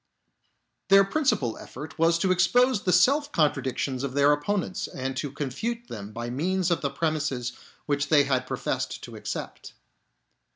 Their principal effort was to expose the self contradictions of their opponents and to confute them by means of the premises which they had professed to accept.